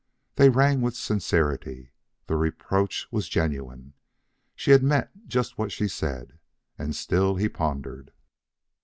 They rang with sincerity. The reproach was genuine. She had meant just what she said. And still he pondered.